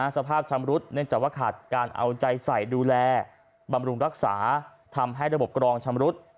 สภาพชำรุดเนื่องจากว่าขาดการเอาใจใส่ดูแลบำรุงรักษาทำให้ระบบกรองชำรุด